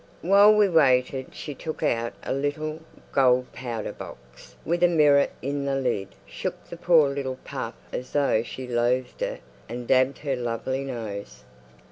While we waited she took out a little, gold powder box with a mirror in the lid, shook the poor little puff as though she loathed it, and dabbed her lovely nose.